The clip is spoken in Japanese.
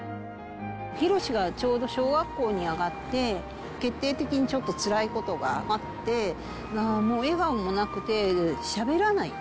ヒロシがちょうど小学校に上がって、決定的にちょっとつらいことがあって、もう笑顔もなくて、しゃべらない。